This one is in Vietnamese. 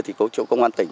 thì có chỗ công an tỉnh